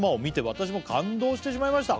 「私も感動してしまいました」